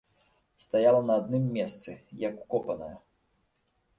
Стаяла на адным месцы як укопаная.